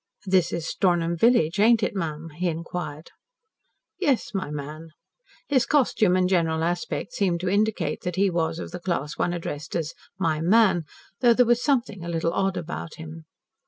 "This is Stornham village, ain't it, ma'am?" he inquired. "Yes, my man." His costume and general aspect seemed to indicate that he was of the class one addressed as "my man," though there was something a little odd about him.